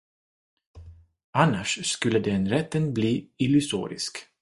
Annars skulle den rätten bli illusorisk.